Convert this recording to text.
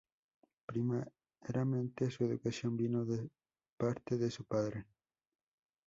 Primeramente, su educación vino de parte de su padre.